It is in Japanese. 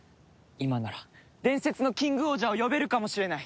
今なら伝説のキングオージャーを呼べるかもしれない。